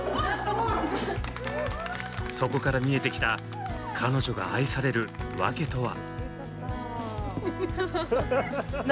そこから見えてきた彼女が愛されるわけとは？